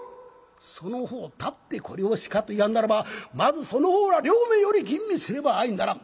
その方たってこれを鹿と言い張んならばまずその方ら両名より吟味せねばあいならん。